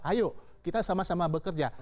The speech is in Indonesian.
ayo kita sama sama bekerja